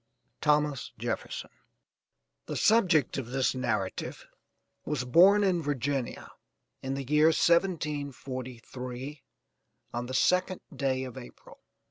THOMAS JEFFERSON. The subject of this narrative was born in Virginia, in the year 1743, on the 2nd day of April.